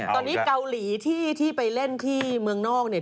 ตอนนี้เกาหลีที่ไปเล่นที่เมืองนอกเนี่ย